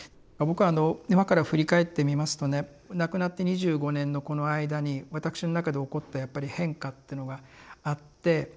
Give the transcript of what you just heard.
僕はあの今から振り返ってみますとね亡くなって２５年のこの間にわたくしの中で起こったやっぱり変化っていうのがあって。